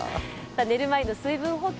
寝る前の水分補給